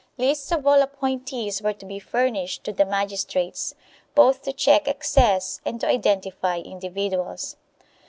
Lists of all appointees were to be furnished to the magistrates, both to check excess and to identify individuals.